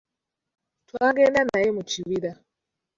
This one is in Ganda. Twagenda naye mu kibira.